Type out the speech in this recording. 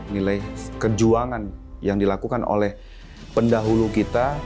nilai kejuangan yang dilakukan oleh pendahulu kita